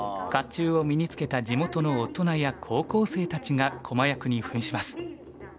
ちゅうを身につけた地元の大人や高校生たちが駒役にふんします。